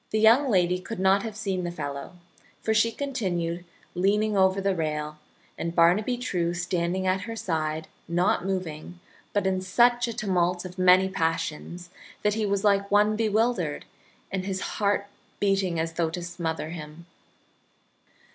The young lady could not have seen the fellow, for she continued leaning over the rail, and Barnaby True, standing at her side, not moving, but in such a tumult of many passions that he was like one bewildered, and his heart beating as though to smother him.